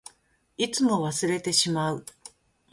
いつも忘れてしまう。